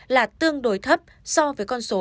là tương đối thấp so với con số